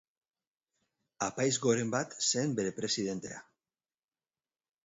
Apaiz goren bat zen bere presidentea.